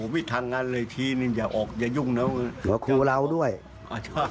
มือด้วยฮะ